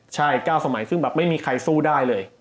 ใช่๙สมัยซึ่งแบบไม่มีใครสู้ได้เลย